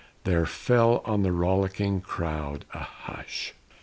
There fell on the rollicking crowd a hush.